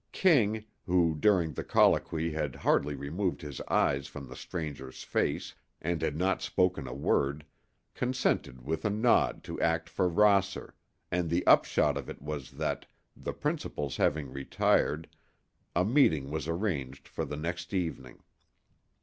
King, who during the colloquy had hardly removed his eyes from the stranger's face and had not spoken a word, consented with a nod to act for Rosser, and the upshot of it was that, the principals having retired, a meeting was arranged for the next evening.